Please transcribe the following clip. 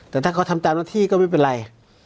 แต่ถ้าเขาทำตามหน้าที่ก็ไม่เป็นไร